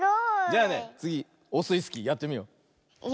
じゃあねつぎオスイスキーやってみよう。